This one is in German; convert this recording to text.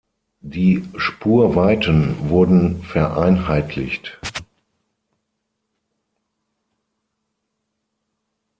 Die Spurweiten wurden vereinheitlicht.